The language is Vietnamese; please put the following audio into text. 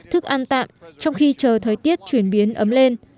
thức ăn tạm trong khi chờ thời tiết chuyển biến ấm lên